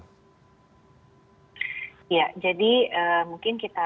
ya jadi mungkin kita